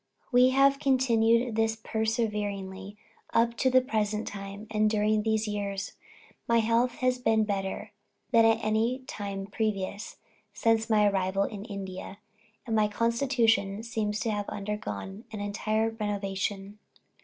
We have continued this perseveringly up to the present time; and, during these years, my health has been better than at any time previous, since my arrival in India; and my constitution seems to have undergone an entire renovation."